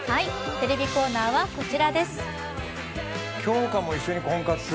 テレビコーナーはこちらです。